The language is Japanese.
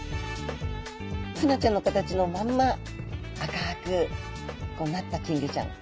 フナちゃんの形のまんま赤くなった金魚ちゃん。